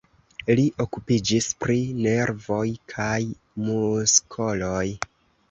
Li okupiĝis pri nervoj kaj muskoloj.